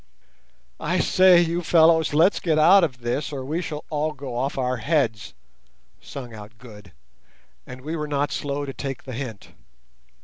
"I say, you fellows, let's get out of this or we shall all go off our heads," sung out Good; and we were not slow to take the hint.